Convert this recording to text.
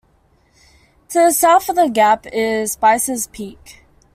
To the south of the gap is Spicers Peak.